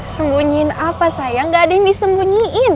sembunyi apa sayang gak ada yang disembunyiin